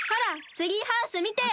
ツリーハウスみてよ！